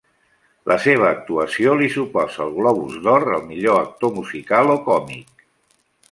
La seva actuació li suposa el Globus d'Or al millor actor musical o còmic.